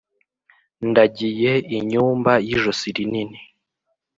Ndagiye inyumba y'ijosi rinini,